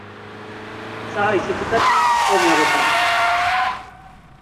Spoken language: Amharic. ፀሐይ ስትጠልቅ ጾም ያበቃል።